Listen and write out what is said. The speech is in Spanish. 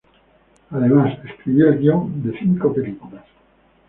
Además, escribió el guión de cinco películas.